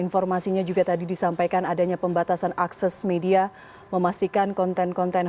informasinya juga tadi disampaikan adanya pembatasan akses media memastikan konten konten